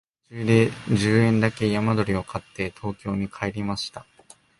途中で十円だけ山鳥を買って東京に帰りました